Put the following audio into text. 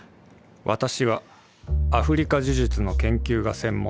「私はアフリカ呪術の研究が専門の大学教授。